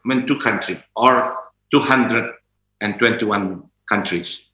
atau dua puluh puluh satu negara